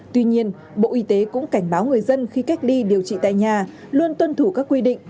tuy nhiên bộ y tế cũng cảnh báo người dân khi cách ly điều trị tại nhà luôn tuân thủ các quy định